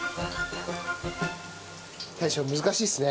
大将難しいですね。